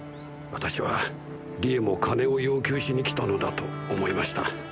私は理恵も金を要求しに来たのだと思いました。